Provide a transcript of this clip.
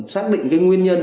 xác định cái nguyên nhân